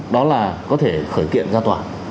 đó là có thể khởi kiện gia tỏa